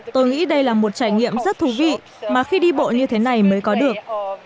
tôi nghĩ đây là một trải nghiệm rất thú vị mà khi đi bộ như thế này mới có được